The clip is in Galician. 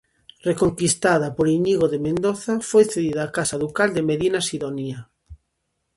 Reconquistada por Íñigo de Mendoza, foi cedida á casa ducal de Medina Sidonia.